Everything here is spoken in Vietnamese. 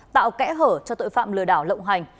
tạo kẽ hở cho tội phạm lừa đảo lộng hành